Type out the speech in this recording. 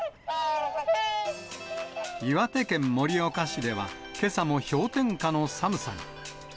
岩手県盛岡市では、けさも氷点下の寒さに。